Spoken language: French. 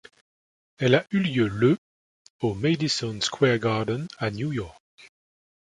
Elle a eu lieu le au Madison Square Garden à New York.